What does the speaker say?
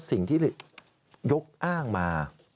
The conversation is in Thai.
สิ่งที่ยกอ้างมา